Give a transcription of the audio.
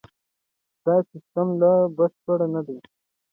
دا سیستم لا بشپړ نه دی.